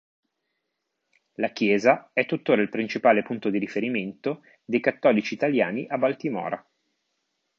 La chiesa è tuttora il principale punto di riferimento dei cattolici italiani a Baltimora.